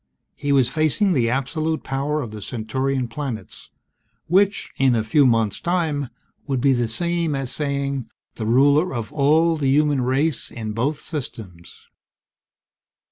He was facing the absolute power of the Centaurian planets which, in a few months' time, would be the same as saying the ruler of all the human race in both systems.